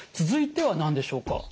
続いては何でしょうか？